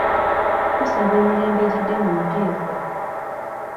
Tusaba emirembe gidde mu nteeko.